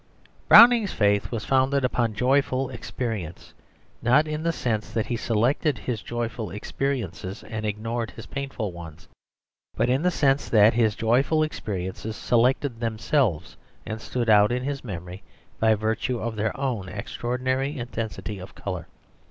Browning's faith was founded upon joyful experience, not in the sense that he selected his joyful experiences and ignored his painful ones, but in the sense that his joyful experiences selected themselves and stood out in his memory by virtue of their own extraordinary intensity of colour.